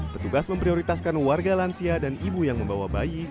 petugas memprioritaskan warga lansia dan ibu yang membawa bayi